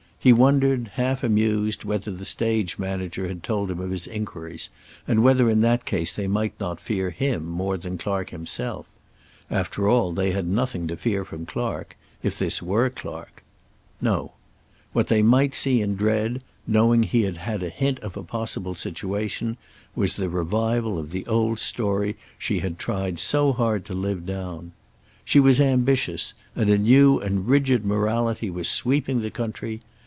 He wondered, half amused, whether the stage manager had told him of his inquiries, and whether in that case they might not fear him more than Clark himself. After all, they had nothing to fear from Clark, if this were Clark. No. What they might see and dread, knowing he had had a hint of a possible situation, was the revival of the old story she had tried so hard to live down. She was ambitious, and a new and rigid morality was sweeping the country.